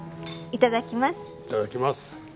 いただきます。